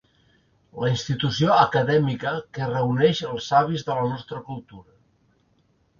La institució acadèmica que reuneix els savis de la nostra cultura.